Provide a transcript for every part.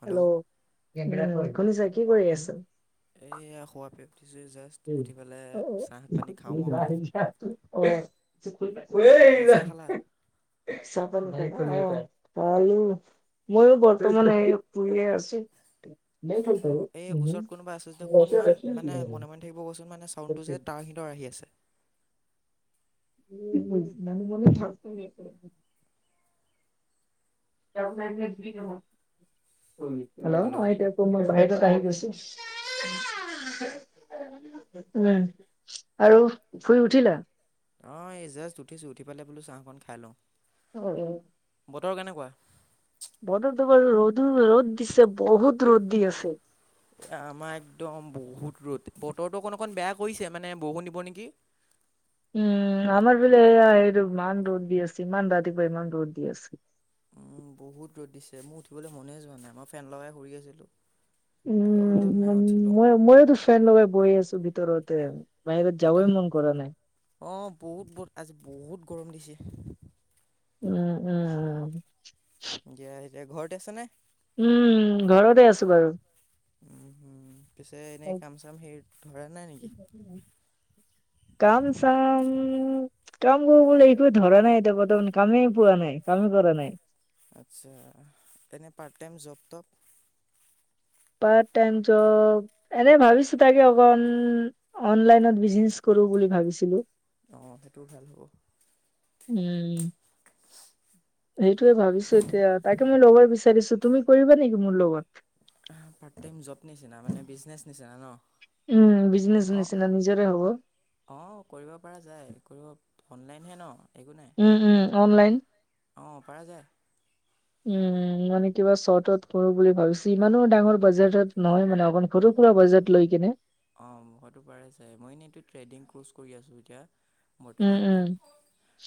Hello hello শুনিছা কি কৰি আছা? এইয়া শুৱাৰ পৰা উঠিছোহে জাষ্ট উঠি পেলাই চাহ পানী খাওঁ আৰু। ক চাহ খালা অহ। চাহ পানী [unintelligible] মইও বৰ্তমান এই শুইয়ে আছো। অ এই ওচৰত কোনোবা আছে যদি অকনমান মানে মনে মনে থাকিব ক'চোন মানে চাউণ্ডটো যে তাৰ সিহঁতৰ আহি আছে। উম মনে মনে থাক চোন [unintelligible] হেল্ল' হেল্ল' অঁ এতি য়া মই বাহিৰত আহি গৈছো। উম আৰু শুই উঠিলে? অ এই জাষ্ট উঠিছো উঠি পেলাই বোলো চাহ অকন খাই লওঁ। অ অ। বতৰ কেনেকুৱা? বতৰটো বাৰু ৰ'দো ৰ'দ দিছে বহুত ৰ'দ দি আছে। আমাৰ একদম বহুত ৰ'দ বতৰটো অকণ অকণ বেয়া কৰিছে মানে বৰষুণ দিব নেকি। উম আমাৰ ফালে এয়া এইটো ইমান ৰ'দ দি আছে ইমান ৰাতিপুৱা ইমান ৰ'দ দি আছে উম বহুত ৰ'দ দিছে মোৰ উঠিবলৈ মনে যোৱা নাই মই ফেন লগাই শুই আছিলো। উম উম মই মইওতো ফেন লগাই বহি আছো ভিতৰতে বাহিৰত যাবই বতাহ মন কৰা নাই। অঁ বহুত বহুত আজি বহুত গৰম দিছে। উম উম। দিয়া এতিয়া ঘৰতে আছা নে? উম ঘৰতে আছো বাৰু। উম হুম পিছে এনেই কাম চাম হেৰি ধৰা নাই নেকি? কাম চাম কাম কৰিবলৈ একো ধৰা নাই এতিয়া বৰ্তমান। কামেই পোৱা নাই কামে কৰা নাই। আচ্ছা। এনেই পাৰ্ট টাইম জব টপ? পাৰ্ট টাইম জব এনেই ভাবিছো তাকে অকণ অনলাইনত বিজনেচ কৰো বুলি ভাবিছিলো। অঁ সেইটো হেল্প হ'ব। উম, সেইটোয়ে ভাবিছো এতিয়া, তাকে মই ল'ব বিচাৰিছো। তুমি কৰিবা নেকি মোৰ লগত? পাৰ্ট টাইম জব নিচিনা মানে বিজনেছ নিচিনা ন? উম, বিজনেচ অঁ নিচিনা নিজৰে হ'ব। অঁ কৰিব পৰা যায় কৰিব, অনলাইনহে ন? একো নাই উম, উম অনলাইন। অঁ পৰা যায় উম, মানে কিবা চৰ্টত কৰো বুলি ভাবিছো। ইমানো ডাঙৰ বাজেটত নহয় মানে, অকমাণ সৰু-সুৰা বাজেট লৈ কেনে অ', মুখতো পাৰে চাগে, মই এনেইটো ট্ৰেডিং কৰ্চ কৰি আছোঁ এতিয়া। উম, উম।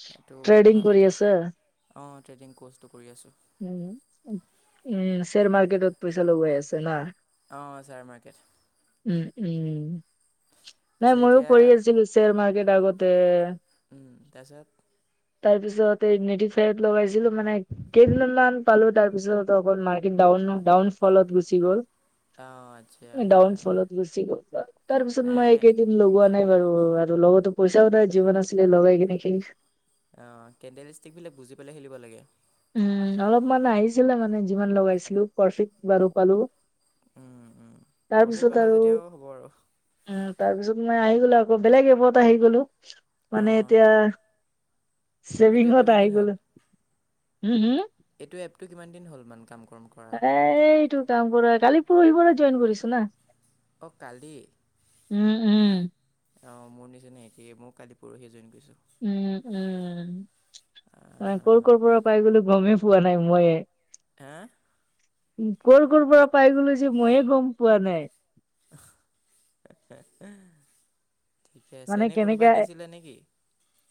সেইটো ট্ৰেডিং কৰি মাজতে, আছে অ' ট্ৰেডিং ক'ৰ্চটো কৰি আছোঁ। উম উম, শ্বেয়াৰ মাৰ্কেটত পইচা লগাই আছা না? অ', শ্বেয়াৰ মাৰ্কেট। উম, উম, নাই পিছে ময়ো এতিয়া কৰি আছিলো শ্বেয়াৰ মাৰ্কেট আগত তে উম, তাৰপিছত তাৰ পিছত এই নেটিফাইত লগাইছিলো মানে, কেইদিন মান পালো, তাৰপিছত অকন মাৰ্কেট ডাউন ডাউন ফলত গুচি গ'ল। অঁ আচ্ছা ডাউন সেইকাৰণে ফলত গুচি গ'ল, তাৰ পিছত মই নাই এইকেদিন লগোৱা নাই বাৰু, আৰু লগতো পইচাও নাই যিমান আছিলে লগাই কিনে শেষ। অ', কেণ্ডেল ষ্টিক বিলাক বুজি পেলাই খেলিব লাগে। উম, অলপমান আহিছিলে মানে যিমান লগাইছিলো প্ৰফিট বাৰু পালো। উম, উম। প্ৰফিট পালা আৰু যেতিয়াও হ'ব আৰু। উম, তাৰ পিছত মই আহি গ'লো আকৌ বেলেগ এপত আহি গ'লো, মানে অ', এতিয়া এইটো এপ চেভিংত কিমান দিন আহি হ'ল? গ'লো, উম, হুম। এইটো এপটো কিমান দিন হ'ল মান কাম কম এইটো কাম কৰা, কালি পৰহি মানে জইন কৰিছো না। অ', কালি? উম, উম। অ', মোৰ নিচিনা একেই, মই কালি পৰহি জইন কৰিছোঁ। উম, উম। ক'ৰ আঁ, ক'ৰ পৰা পাই গ'লো গ'মেই পোৱা নাই মইয়ে। হা'? উম, ক'ৰ ক'ৰ পৰা পাই গ'লো যে, মইয়ে গ'ম পোৱা নাই। [inaudible] ঠিকে আছে। মানে এনে কেনেকে কোনোবাই দিছিলে নেকি?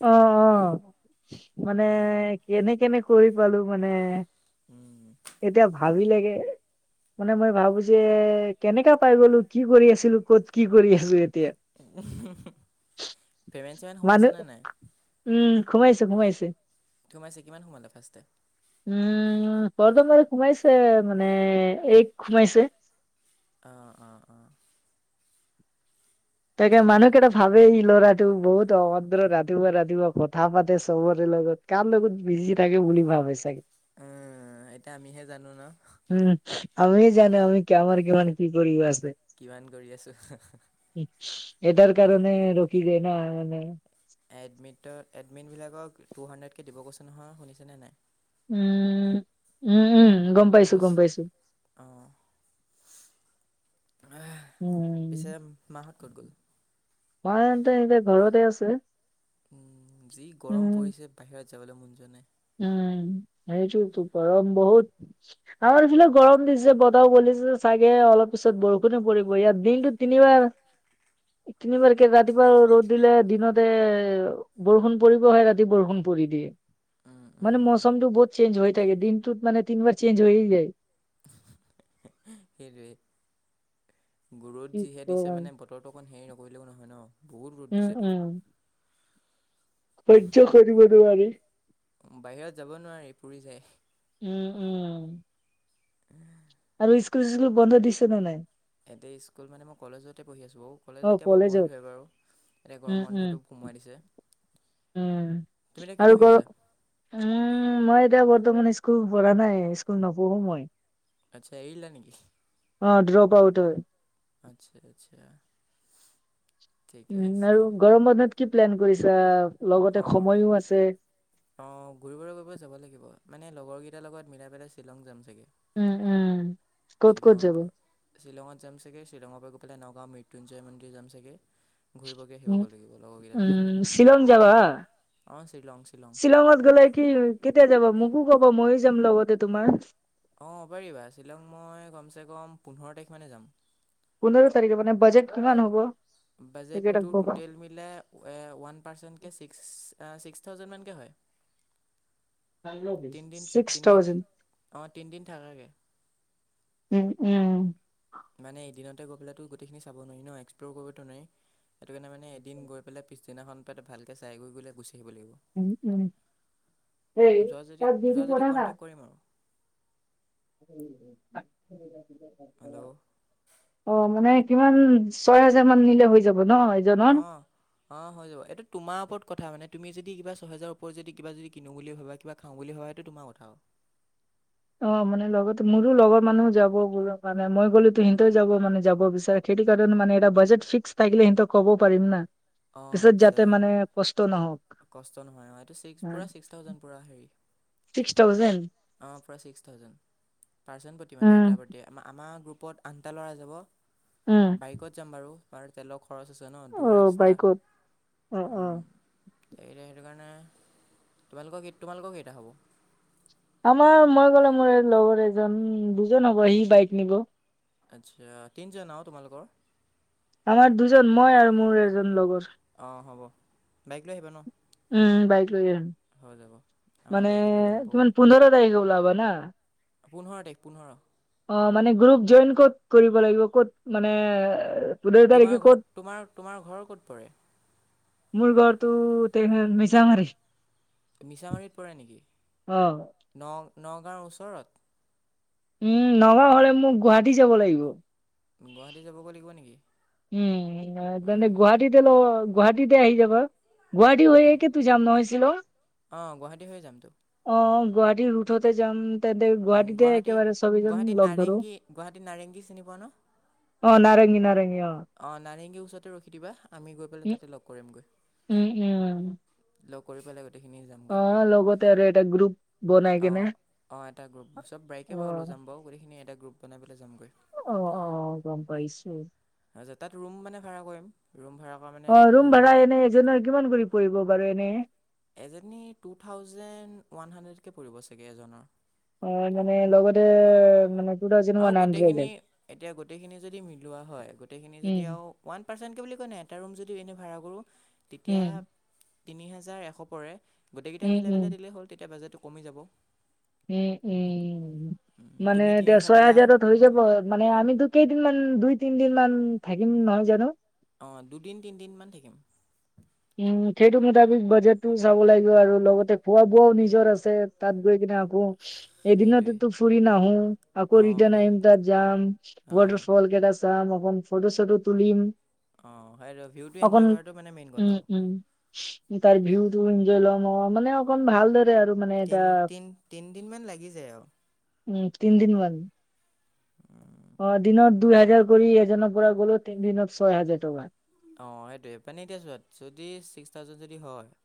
অ' অ'। মানে অ', কেনে কেনে কৰি পালো মানে। উম। এতিয়া ভাবি লাগে মানে মই ভাবো যে, কেনেকা পাই গ'লো কি কৰি আছিলো ক'ত কি কৰি আছো এতিয়া। [inaudible] পে'মেণ্ট চেমেণ্ট মানুহ, সোমাইছেনে নাই? উম ঘুমাইছো ঘুমাইছো। সোমাইছে কিমান সোমালে ফাৰ্ষ্টে? উম প্ৰথমে সোমাইছে মানে এক সোমাইছে। অ-অ-অ। তাকে ঠিকে। মানুহকেইটা ভাল এই ল'ৰাটো বহুত অভদ্ৰ ৰাতিপুৱা ৰাতিপুৱা কথা পাতে চবৰে লগত। কাৰ লগত বিজি থাকে বুলি ভাবে চাগে। উম এতিয়া আমিহে জানো ন'? উম আমিহে জানো আমি আমাৰ কামৰ কিমান কি কৰিব আছে। কিমান কৰি আছো। এটাৰ কাৰণে ৰখি যায় না মানে। এডমিটত এডমিনবিলাকক টু হাণ্ড্ৰেডকৈ দিব কৈছে নহয়, শুনিছেনে নাই? উম, উম-উম গ'ম পাইছো কচ গম পাইছো। অ' পিছে উম, মাহত ক'ত গ'ল? মাহতে এতিয়া ঘৰতে আছে। উম যি গৰম উম। পৰিছে বাহিৰত যাবলৈ মন যোৱা নাই। উম সেইটোতো গৰম বহুত। আমাৰ এইফালে গৰম দিছে বতাহও বলিছে। চাগে অলপ পিছত বৰষুণে পৰিব ইয়াত দিনটোত তিনিবাৰ তিনিবাৰকে ৰাতিপুৱা ৰ'দ দিলে দিনতে বৰষুণ পৰিব এই ৰাতি বৰষুণ পৰি দিয়ে। উম মানে উম মৌচমটো বহুত চেঞ্জ হৈ থাকে, দিনটোত মানে তিনিবাৰ চেঞ্জ হৈয়ে যায়। সেইটোৱে, ৰ'দ কি যিহে দিছে কম মানে বতৰটো অকণ হেৰি নকৰিলেও নহয় ন। বহুত ৰ'ধ উম, দিছেটো। উম। সহ্য কৰিব নোৱাৰি। উম বাহিৰত যাব নোৱাৰি পুৰি যায়। উম উম। [inaudible] আৰু স্কুল-চিচকুল বন্ধ দিছে নে নাই? ইয়াতে স্কুল মানে মই কলেজতে পঢ়ি আছোঁ ঔ। কলেজ অ' এতিয়া বাৰু কলেজত বন্ধ হয় বাৰু, এতিয়া উম, গৰম উম, বন্ধটো কমাই দিছে। উম তুমি এতিয়া কি আৰু পঢ়ি গৰ আছা উম মই এতিয়া বৰ্তমান স্কুল পঢ়া নাই, স্কুল নপঢ়ো মই। আচ্ছা এৰিলা নেকি? অ ড্ৰপ আউট হয়। আচ্ছা আচ্ছা। ঠিকে উম আছে আৰু গৰম বন্ধত কি প্লেন কৰিছা লগতে সময়ো আছে। অ ঘূৰিবলৈ ক'ৰবাত যাব লাগিব মানে লগৰকেইটাৰ লগত মিলাই পেলাই শ্বিলং যাম চাগে। উম উম। ক'ত ক'ত শ্বিলঙৰ যাবা? পৰা, শ্বিলঙত যাম চাগে শ্বিলঙৰ পৰা গৈ পেলাই নগাঁওৰ মৃত্যুঞ্জয় মন্দিৰ যাম চাগে। ঘূৰিবগে সেই উম, হ'ব লাগিব লগৰকেইটাৰ উম, লগতে, শ্বিলং যাবা? অ শ্বিলং, শ্বিলং। শ্বিলং ত গ'লে কি কেতিয়া যাবা? মোকো ক'বা ময়ো যাম লগতে তোমাৰ। অ পাৰিবা। শ্বিলং মই কমচে কম পোন্ধৰ তাৰিখ মানে যাম। পোন্ধৰ তাৰিখে মানে বাজেট কিমান হ'ব? সেইকেইটা বাজেটটো ক'বা। টুটেল মিলাই এ ওৱান পাৰ্চনকে ছিক্স অ ছিক্স থাউজেন মানকে হয়। তিনিদিন ট্ৰিপ ছিক্স তিনিদিন থউজেন। অঁ তিনিদিন থাকাকৈ উম উম। মানে এদিনতে গৈ পেলাইতো গোটেইখিনি চাব নোৱাৰি ন, এক্সপ্ল'ৰ কৰিবটো নোৱাৰি। সেইটো কাৰণে মানে এদিন গৈ পেলাই পিছদিনাখন তাতে ভালকৈ চাই কৰি পেলাই গুচি আহিব লাগিব। উম' উম, সেই যোৱা যদি তাত যোৱা যদি কণ্টেক্ট [unintelligible] কৰিম আৰু। [unintelligible] হেল্ল'। অ', মানে কিমান, ছয় হাজাৰ মান নিলে হৈ যাব ন? এজনৰ? অহ'। অ', হৈ যাব, এইটো তোমাৰ ওপৰত কথা মানে তুমি যদি কিবা ছয় হেজাৰ ওপৰত যদি কিবা যদি কিনো বুলি ভাবা কিবা খাওঁ বুলি ভাবা সেইটো তোমাৰ কথা আৰু। অ', মানে লগত মোৰো লগৰ মানুহ যাব বুলো মানে মই গ'লেটো সিহঁতে যাব মানে যাব বিচাৰে। সেইটো কাৰণে মানে এটা বাজেট ফিক্স থাকিলে সিহঁতক ক'ব পাৰিম না। অঁ পিছত আচ্ছা যাতে মানে কষ্ট নহওঁক। কষ্ট নহয় অ'। এইটো ছিক্স, পূৰা ছিক্স থাউজেণ্ড পূৰা হেৰি। Six thousand? অঁ, পুৰা ছিক্স থাউজেণ্ড। পাৰ্চেন প্ৰতি মানে উম এটাৰ প্ৰতি, আম আমাৰ গ্ৰুপত আন এটা ল'ৰাই যাব, উম বাইকত যাম বাৰু আৰু তেলৰ খৰচ আছে ন'। দূৰ অ ৰাস্তা, বাইকত অ অ উম। সেইটো সেইটো কাৰণে তোমালোকৰ কি, তোমালোকৰ কেইটা হ'ব? আমাৰ মই গ'লে, মোৰ লগৰ এজন, দুজন হ'ব সি বাইক নিব। আচ্ছা, তিনিজন আও তোমালোকৰ। আমাৰ দুজন, মই আৰু মোৰ এজন লগৰ। অঁ হ'ব, বাইক লৈ আহিবা ন'? উম বাইক লৈ যাম। হৈ যাব আমাৰ মানে বাইকে লৈ যাম বাৰু কিমান পোন্ধৰ তাৰিখে ওলাবা না? পোন্ধৰ তাৰিখ, পোন্ধৰ। অ', মানে গ্ৰুপ জইন ক'ত কৰিব লাগিব, ক'ত মানে পোন্ধৰ তাৰিখে তোমাৰ ক'ত ঘৰ, তোমাৰ তোমাৰ ঘৰ ক'ত পৰে? মোৰ ঘৰতো [unintelligible] মিছামাৰী। মিছামাৰীত পৰে নেকি? অ ন-নগাঁৱৰ ওচৰত? উম, নগাওঁ হ'লে মই গুৱাহাটী যাব লাগিব। গুৱাহাটী যাবগৈ লাগিব নেকি? উম মানে গুৱাহাটীতে লগ, গুৱাহাটীতে আহি যাবা। গুৱাহাটী গ- হৈয়েতো জাম নহয় শ্বিলং। অঁ গুৱাহাটী হৈ যামতো অ', গুৱাহাটী ৰোডতে যাম। তেন্তে, উম, গুৱাহাটীতে গুৱাহাটী একেবাৰে চবেজন গুৱাহাটী লগ ধৰো। নাৰেংগী গুৱাহাটী নাৰেংগী চিনি পোৱা ন অ' নাৰেঙ্গী নাৰেঙ্গী অ'। অ', নাৰেংগীৰ ওচৰতে ৰখি দিবা, আমি গৈ পেলাই উম তাতে লগ কৰিমগৈ। উম, উম। লগ কৰি পেলাই গোটেইখিনি যামগৈ অ', লগতে আৰু এটা গ্ৰুপ বনাই কেনে অঁ অঁ এটা গ্ৰুপ চব অ বাইকে লৈ যাম বাৰু, গোটেইখিনি এটা গ্ৰুপ বনাই যামগৈ। অ অ', গম পাইছো। তাৰপিছত তাত ৰোম মানে ভাড়া কৰিম। ৰোম ভড়া কৰা মা অ', ৰোম ভা়ড়া এনেই এজনৰ কিমান কৰি পৰিব বাৰু এনেই? এজনী টু থাউজেণ্ড ওৱান হাণ্ড্ৰেডকে পৰিব চাগে এজনৰ। অ', মানে লগতে মানে - আও গোটেইখিনি, এতিয়া গোটেইখিনি যদি মিলোৱা হয়, গোটেইখিনি উম, যদি আও - ওৱান পাৰ্চেন্টকে বুলি কয় নাই এটা ৰুম যদি এনেই ভাড়া কৰোঁ, তেতিয়া উম, - তিনি হেজাৰ এশ পৰে, গোটেইকেইটাই উম, মিলাই উম, পেলাই দি দিলেই হ'ল, তেতিয়া বাজেটটো কমি যাব। উম উম, মানে তুমি এতিয়া তিনিশ ছয় দিলা হাজাৰত - হৈ যাব। মানে আমিতো কেইদিন মান, দুই তিন দিন মান থাকিম নহয় জানো? অঁ, দুদিন, তিনদিনমান থাকিম। উম, সেইটো মতাবিক বাজেটটো চাব লাগিব আৰু লগতে খোৱা বোৱাও নিজৰ আছে, তাত গৈ কিনে - উম, সেইটোৱেই এদিনতেতো ফুৰি নাহো, আকৌ অঁ ৰিটাৰ্ণ সেই আহিম তাত যাম। অঁ ৱাটাৰফল কেইটা চাম, অকন ফটো চটো তুলিম। অ', সেইটোৱে ভিউটো অকন এনজয় কৰাটো মানে মেইন উম, কথা আও। উম, তাৰ ভিউটো এনজয় লম অ, মানে অকণ ভাল ধৰে আৰু। মানে এটা তিন, তিন, তিনদিনমান লাগি যায় আও। উম, তিনদিন লাগে। অ', দিনত দুই হাজাৰ কৰি, এজনৰ পৰা গ'লো তিনি দিনত ছয় হাজাৰ টকা। অঁ সেইটোৱে মানে এতিয়া চোৱা যদি ছিক্স থাউজেণ্ড যদি হয় -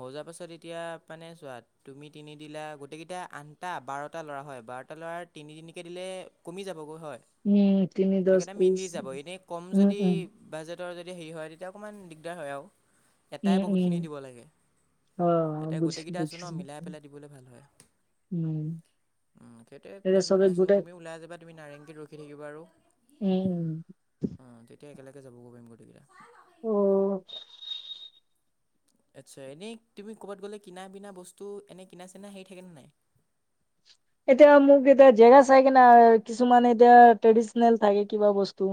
হৈ যোৱা পাছত এতিয়া মানে চোৱা। তুমি তিনি দিলা গোটেইকেইটা আঠটা বাৰটা ল'ৰা হয বাৰটা ল'ৰাৰ তিনিতিনিকে দিলে - কমি যাবগৈ হয়। উম তিনি দহ সেইকাৰণে ত্ৰিশ মিলি যাব এনেই কম উম যদি উম - বাজেটৰ যদি হেৰি হয় তেতিয়া অকণমান দিগদাৰ হয় আৰু, উম এটাই উম বহুতখিনি দিব লাগে। অ এইয়াটে গোটেই বুজিছো কেইটা আছো ন বুজিছো মিলাই পেলাই দিবলৈ ভাল হয়। উম উম' সেইটোৱে এতিয়া প্লেন চবে বনাইছোঁ গোটাই তুমি ওলাই যাবা নাৰেংগীত ৰখি থাকিবা আৰু। উম উম অ, ' তেতিয়া একেলগে যাব গৈ পাৰিম গোটেইকেইটা। অ। আচ্ছা, এনেই তুমি ক'ৰবাত গ'লে কিনা বিনা বস্তু এনেই কিনা চিনা হেৰি থাকেনে নাই? এতিয়া মোক এতিয়া জেগা চাই কি না কিছুমান এতিয়া ট্ৰেডিচনেল থাকে কিবা বস্তু।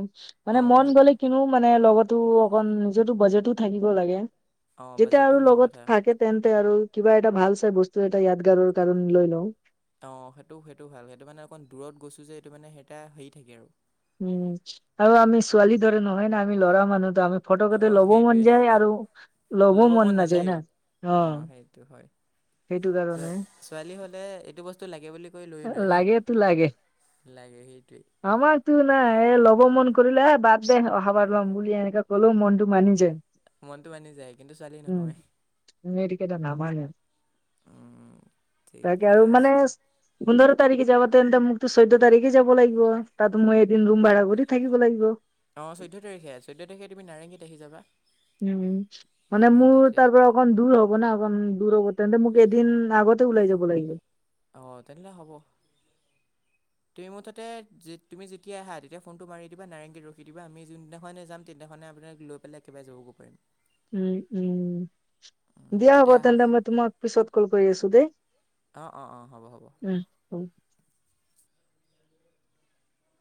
মানে অঁ মন সেইটোৱে গলে কিনো মানে লগতো অকন নিজটো বাজেটো থাকিব লাগে। অঁ যেতিয়া বাজেটটো আৰু মেইন লগত কথা থাকে - তেন্তে আৰু কিবা এটা ভাল চাই বস্তু এটা য়াদগাৰৰ কাৰণে লৈ লওঁ। অঁ সেইটো সেইটো ভাল সেইটো মানে অকণ দূৰত গৈছো যে এইটো মানে সেইটা হেৰি থাকে আৰু। উম, ' আৰু আমি ছোৱালী দৰে নহয় না আমি ল'ৰা মানুহ ত আমি - ফটোকেটা অঁ ল'বো মন সেইটোৱে যায় আৰু ল'বও ল'ব মন নাযায়া নাযায়ো ন, অ। অঁ সেইটো হয়, সেইটো ছোৱা কাৰণে ছোৱালী হলে এইটো বস্তু টো লাগে বুলি কয় লৈ লয়। লাগেতো লাগে লাগে সেইটোৱেই। আমাকতো নাই এ ল'ব মন কৰিলে এ বাদ দে অহাবাৰ ল'ম বুলি এনেকে কলেও মনটো মানি যায়। মনটো মানি যায় কিন্তু ছোৱালী উম, নহয় ইহঁতি কেইটা নামানে। উম তাকে ঠিকে আৰু মানে আছে - পোন্ধৰ তাৰিখে যাবা তেন্তে মোকতো চৈধ্য তাৰিখে যাব লাগিব। তাত মই এদিন ৰুম ভাড়া কৰি থাকিব লাগিব। অ', চৈধ্য তাৰিখে, চৈধ্য তাৰিখে তুমি নাৰেংগীত আহি যাবা। উম উম, মানে উম, মোৰ তেতিয়া তাৰ পৰা - অকণ দূৰ হ'ব না অকণ? দূৰ হ'ব। তেন্তে, মোক এদিন আগতে ওলাই যাব লাগিলে। অ'! তেনেহ'লে হ'ব। [inaudible] তুমি মুঠতে যে, তুমি যেতিয়া আহা, তেতিয়া ফোনটো মাৰি দিবা, নাৰেংগীত ৰখি দিবা, আমি যোনদিনাখনে যাম, [unintelligible] দিনাখনে আপোনাৰ লৈ পেলাই একবাৰে যাবগৈ পাৰিম। উম, উম! উম, দিয়া হ'ব তেতিয়া আহা তেন্তে, মই তোমাক পিছত ক'ল কৰি আছোঁ দেই। অ' অ' অ'! হ'ব, হ'ব। [unintelligible]